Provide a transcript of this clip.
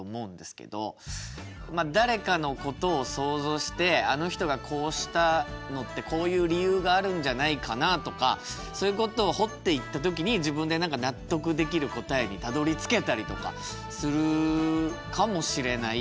まあ誰かのことを想像してあの人がこうしたのってこういう理由があるんじゃないかなとかそういうことを掘っていった時に自分で何か納得できる答えにたどりつけたりとかするかもしれない。